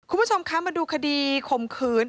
คุณผู้ชมคะมาดูคดีข่มขืน